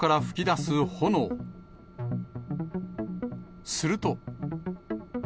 すると。